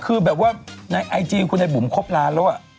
คือแบบว่าในไอจีคุณไอบุ๋มครบล้านแล้ว